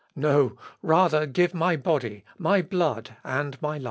No, rather give my body, my blood, and my life!!..."